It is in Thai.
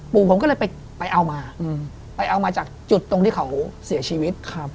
ปู่ผมก็เลยไปเอามาไปเอามาจากจุดตรงที่เขาเสียชีวิต